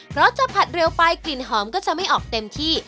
เพราะถ้าผัดเร็วไปกลิ่นหอมก็จะไม่ออกเต็มที่